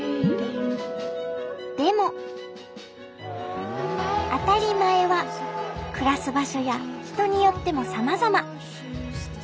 でも当たり前は暮らす場所や人によってもさまざま。